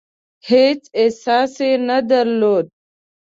هېڅ اساس یې نه درلود.